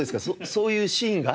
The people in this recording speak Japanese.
そういうシーンが。